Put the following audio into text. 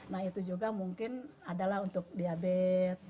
nah itu juga mungkin adalah untuk diabetes